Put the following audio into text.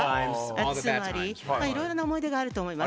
つまり、いろいろな思い出があると思います。